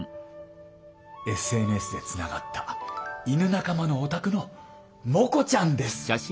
ＳＮＳでつながった犬仲間のお宅のモコちゃんです。